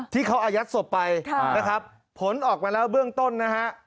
ที่เขาอายัดศพไปนะครับผลออกมาแล้วเบื้องต้นนะฮะ